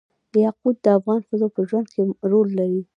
یاقوت د افغان ښځو په ژوند کې رول لري.